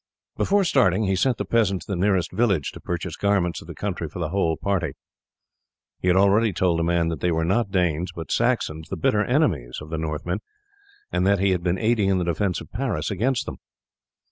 Before starting he sent the peasant to the nearest village to purchase garments of the country for the whole party. He had already told the man that they were not Danes but Saxons, the bitter enemies of the Northmen, and that he had been aiding in the defence of Paris against them.